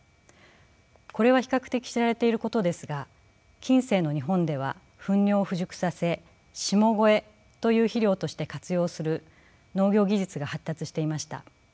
これは比較的知られていることですが近世の日本では糞尿を腐熟させ下肥という肥料として活用する農業技術が発達していました。